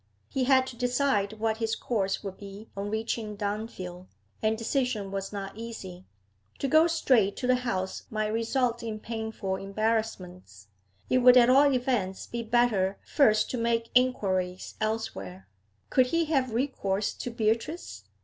He had to decide what his course would be on reaching Dunfield, and decision was not easy. To go straight to the house might result in painful embarrassments; it would at all events be better first to make inquiries elsewhere. Could he have recourse to Beatrice?